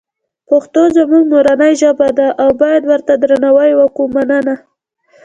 پښتوزموږمورنی ژبه ده اوبایدورته درناوی وکومننه